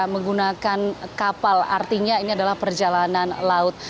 menggunakan kapal artinya ini adalah perjalanan laut